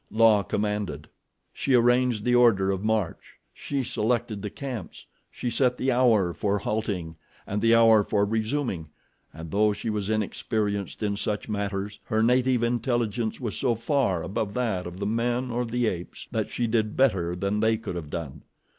La commanded. She arranged the order of march, she selected the camps, she set the hour for halting and the hour for resuming and though she was inexperienced in such matters, her native intelligence was so far above that of the men or the apes that she did better than they could have done.